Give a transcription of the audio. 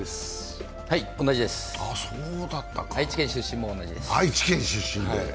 同じです、愛知県出身も同じです。